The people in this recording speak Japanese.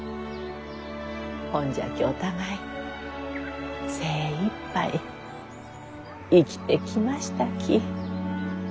ほんじゃきお互い精いっぱい生きてきましたき。